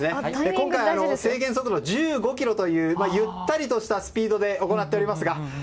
今回、制限速度１５キロというゆったりとしたスピードで行っています。